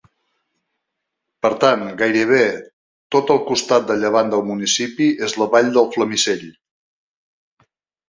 Per tant, gairebé tot el costat de llevant del municipi és la vall del Flamisell.